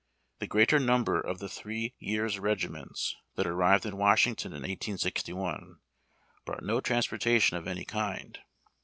The greater number of the three years regiments that arrived in Washington in 1861 brought no transportation of any kind.